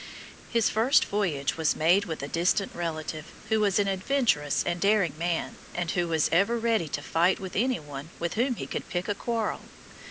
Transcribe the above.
His first voyage was made with a distant relative, who was an adventurous and daring man, and who was ever ready to fight with any one with whom he could pick a quarrel.